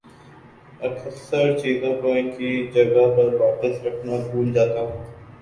اکثر چیزوں کو ان کی جگہ پر واپس رکھنا بھول جاتا ہوں